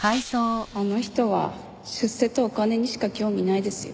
あの人は出世とお金にしか興味ないですよ。